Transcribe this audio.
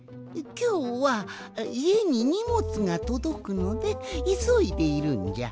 きょうはいえににもつがとどくのでいそいでいるんじゃ。